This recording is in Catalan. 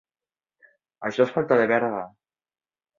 Això és falta de verga!